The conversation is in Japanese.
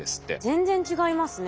全然違いますね。